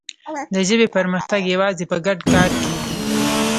د ژبې پرمختګ یوازې په ګډ کار کېږي.